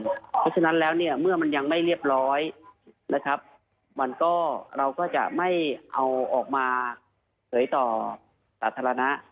เพราะฉะนั้นแล้วเนี่ยเมื่อมันยังไม่เรียบร้อยนะครับมันก็เราก็จะไม่เอาออกมาเผยต่อสาธารณะ